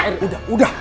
erin udah udah